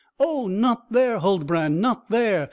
oh, not there! Huldbrand, not there!